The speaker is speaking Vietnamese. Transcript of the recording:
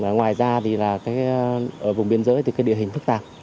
ngoài ra thì là cái ở vùng biên giới thì cái địa hình thức tạp